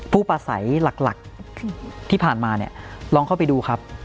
ประสัยหลักที่ผ่านมาเนี่ยลองเข้าไปดูครับ